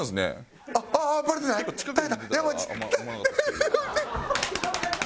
ハハハハ！